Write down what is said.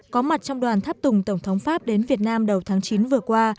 có mặt trong đoàn tháp tùng tổng thống pháp đến việt nam đầu tháng chín vừa qua